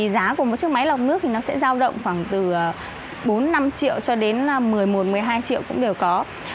giá của một chiếc máy lọc nước thì nó sẽ giao động khoảng từ bốn năm triệu cho đến một mươi một một mươi hai triệu cũng đều có